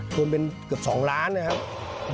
รวมเป็นเกือบ๒ล้านนะครับ